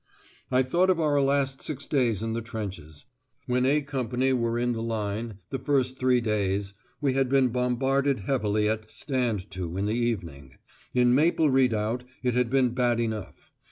I thought of our last six days in the trenches. When "A" Company were in the line, the first three days, we had been bombarded heavily at "stand to" in the evening. In Maple Redoubt it had been bad enough.